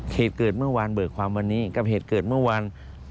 เหตุเกิดเมื่อวานเบิกความวันนี้กับเหตุเกิดเมื่อวาน